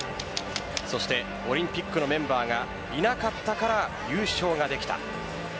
そしてオリンピックのメンバーがいなかったから優勝ができた。